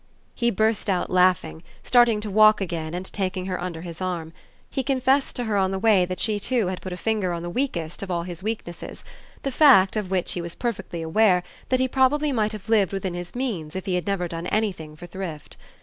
He burst out laughing, starting to walk again and taking her under his arm. He confessed to her on the way that she too had put a finger on the weakest of all his weaknesses, the fact, of which he was perfectly aware, that he probably might have lived within his means if he had never done anything for thrift.